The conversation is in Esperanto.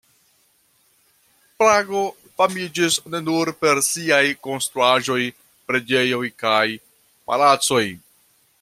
Prago famiĝis ne nur per siaj konstruaĵoj, preĝejoj kaj palacoj.